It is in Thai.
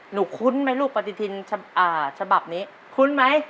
คุ้นไหมลูกปฏิทินฉบับนี้คุ้นไหม